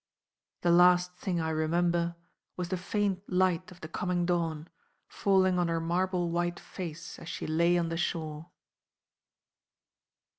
The last thing I remember was the faint light of the coming dawn, falling on her marble white face as she lay on the shore.